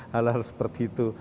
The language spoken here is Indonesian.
hal hal seperti itu